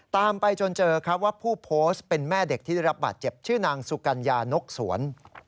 ตามไปจนเจอครับว่าผู้โพสต์เป็นแม่เด็กที่ได้รับบาดเจ็บชื่อนางสุกัญญานกสวน